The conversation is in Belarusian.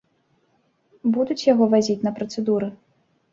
Будуць яго вазіць на працэдуры?